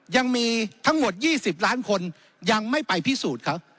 ยังมีทั้งหมด๒๐ล้านคนยังไม่ไปพิสูจน์เขา